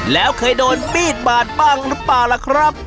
แล้วเคยโดนมีดบาดบ้างหรือเปล่าล่ะครับ